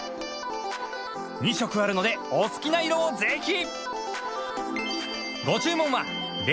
２色あるのでお好きな色をぜひ！